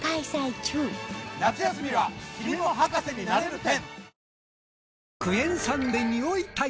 夏休みは「君も博士になれる展」！